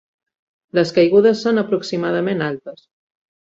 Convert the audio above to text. Les caigudes són aproximadament altes.